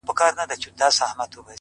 • خیر حتمي کارونه مه پرېږده ـ کار باسه ـ